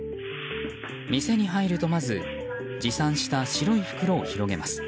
店に入ると、まず持参した白い袋を広げます。